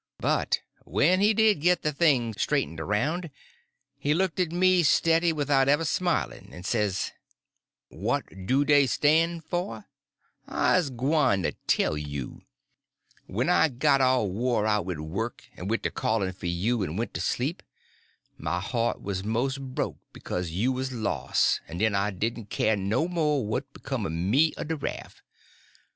But when he did get the thing straightened around he looked at me steady without ever smiling, and says: "What do dey stan' for? I'se gwyne to tell you. When I got all wore out wid work, en wid de callin' for you, en went to sleep, my heart wuz mos' broke bekase you wuz los', en I didn' k'yer no' mo' what become er me en de raf'.